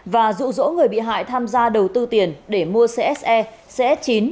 và rụ rỗ người bị hại tham gia đầu tư tiền để mua cse chín